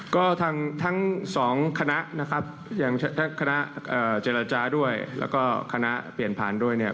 ก็ทั้งสองคณะนะครับอย่างทั้งคณะเจรจาด้วยแล้วก็คณะเปลี่ยนผ่านด้วยเนี่ย